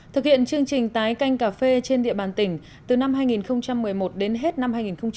thực hiện chương trình tái canh cà phê trên địa bàn tỉnh từ năm hai nghìn một mươi một đến hết năm hai nghìn hai mươi